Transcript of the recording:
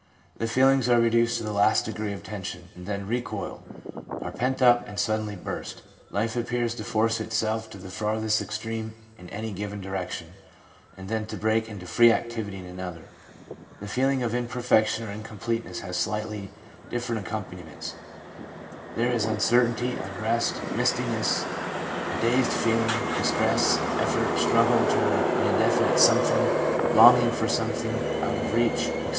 The feelings are reduced to the last degree of tension, and then recoil; are pent up, and suddenly burst; life appears to force itself to the farthest extreme in a given direction, and then to break into free activity in another. The feeling of imperfection or incompleteness has slightly different accompaniments. There is uncertainty, unrest, mistiness, a dazed feeling, distress, effort, struggle toward an indefinite something, longing for something out of reach, etc.